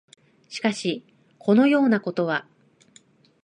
しかし、このようなことは、